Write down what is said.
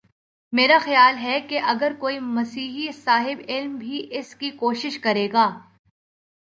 میرا خیال ہے کہ اگر کوئی مسیحی صاحب علم بھی اس کی کوشش کرے گا۔